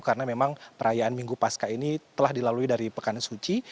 karena memang perayaan minggu pascah ini telah dilalui dari pekan suci